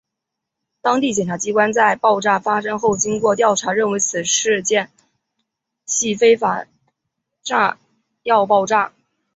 当地检察机关在爆炸发生后经过调查认为此事件系非法炸药爆炸。